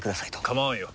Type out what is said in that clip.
構わんよ。